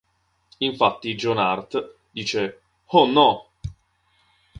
Infatti John Hurt dice "Oh no!